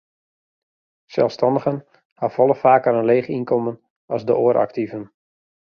Selsstannigen hawwe folle faker in leech ynkommen as de oare aktiven.